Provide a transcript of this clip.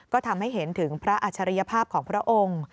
ก็ทำให้เห็นถึงพระอัจฉริยภาพของพระองค์